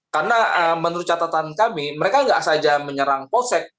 karena menurut catatan kami mereka tidak saja menyerang polsek